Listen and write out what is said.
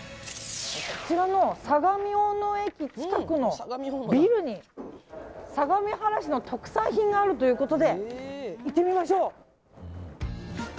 こちらの相模大野駅近くのビルに相模原市の特産品があるということで行ってみましょう。